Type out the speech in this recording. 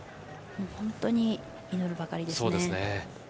もう本当に、祈るばかりですね。